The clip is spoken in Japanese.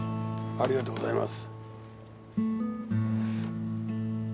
ありがとうございます。